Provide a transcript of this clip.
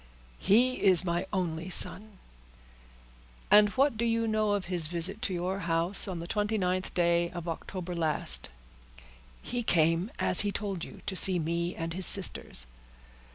"He is my only son." "And what do you know of his visit to your house, on the 29th day of October last?" "He came, as he told you, to see me and his sisters."